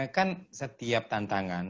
kan setiap tantangan